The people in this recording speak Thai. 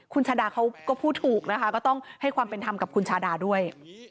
คุณชาดาเขาก็พูดถูกนะคะก็ต้องให้ความเป็นธรรมกับคุณชาดาด้วย